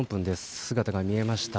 姿が見えました。